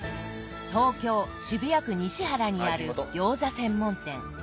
東京・渋谷区西原にある餃子専門店。